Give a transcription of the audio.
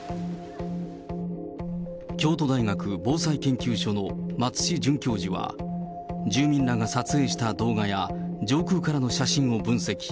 京都大学防災研究所の松四准教授は、住民らが撮影した動画や上空からの写真を分析。